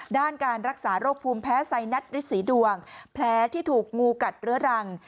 ด้านการรักษาโรคภูมิแพ้ไซนัสฤษีดวงแผลที่ถูกงูกัดเรื้อรัง